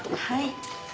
はい。